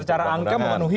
secara angka memenuhi